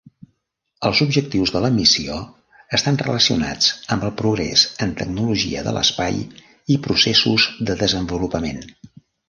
Els objectius de la missió estan relacionats amb el progrés en tecnologia de l'espai i processos de desenvolupament.